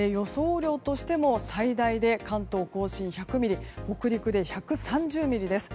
雨量としても最大で関東・甲信１００ミリ北陸で１３０ミリです。